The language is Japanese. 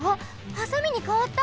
ハサミにかわった。